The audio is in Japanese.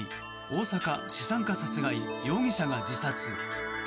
大阪、資産家殺害容疑者が自殺。